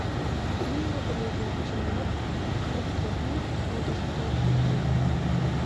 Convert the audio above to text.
Имньыдыме-влак чыланат Кргорий шотышто улыт.